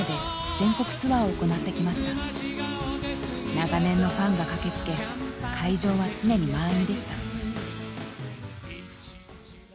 長年のファンが駆けつけ会場は常に満員でした。